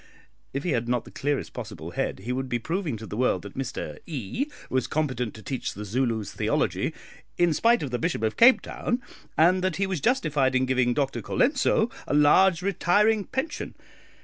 If he had not the clearest possible head, he would be proving to the world that Mr E was competent to teach the Zulus theology in spite of the Bishop of Cape Town, and that he was justified in giving Dr Colenso a large retiring pension.